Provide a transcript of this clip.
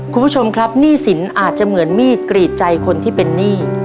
คุณผู้ชมครับหนี้สินอาจจะเหมือนมีดกรีดใจคนที่เป็นหนี้